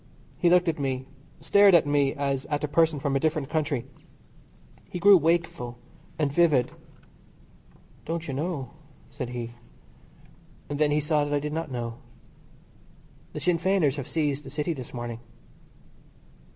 He looked at me, stared at me as at a person from a different country. He grew wakeful and vivid. "Don't you know," said he. And then he saw that I did not know. "The Sinn Feiners have seized the City this morning."